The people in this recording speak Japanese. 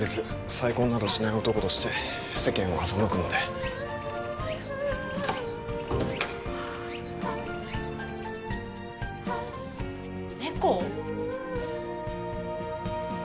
「再婚などしない男」として世間を欺くのであっはあ猫？